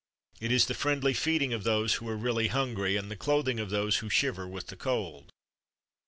It is the friendly feeding of those who are really hungry, and the clothing of those who shiver with the cold.